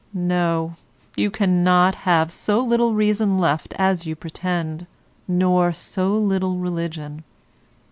No, you cannot have so little reason left as you pretend, nor so little religion.